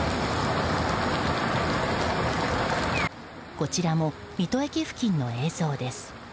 こちらも水戸駅付近の映像です。